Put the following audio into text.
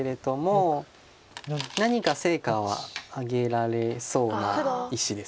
何か成果は上げられそうな石です。